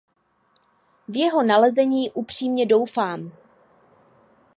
V jeho nalezení upřímně doufám.